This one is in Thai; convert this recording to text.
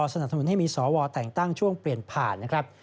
สนับสนุนให้มีสวแต่งตั้งช่วงเปลี่ยนผ่านนะครับ